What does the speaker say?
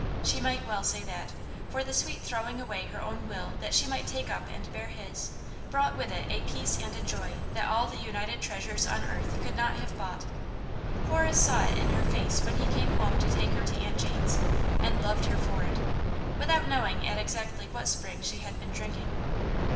She might well say that, for the sweet throw ing away her own will that she might take up and bear His, brought with it a peace and a joy that all the united treasures on earth could not have bought. Horace saw it in her face when he came home to take her to Aunt Jane's, and loved her for it, without knowing at exactly what spring she had been drinking.